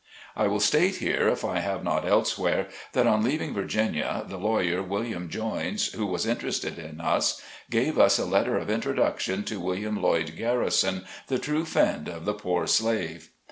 I will state here, if I have not elsewhere, that on leaving Virginia, the lawyer, William Joins, who was interested in us, gave us a letter of introduction to William Loyd Garrison, the true friend of the poor slave.